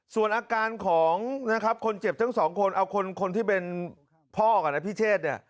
ส่วนอาการของคนเจ็บทั้งสองคนเอาคนที่เป็นพ่อกันนะพี่เชษ